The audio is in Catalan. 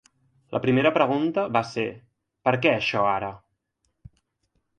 La primera pregunta va ser: «Per què això ara?».